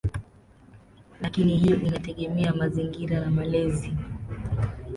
Lakini hiyo inategemea mazingira na malezi.